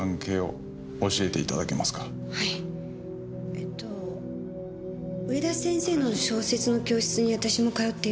えっと上田先生の小説の教室に私も通っています。